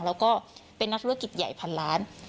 แล้วก็เป็นนักธุรกิจใหญ่พันล้าน